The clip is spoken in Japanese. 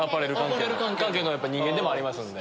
アパレル関係の人間でもありますんで。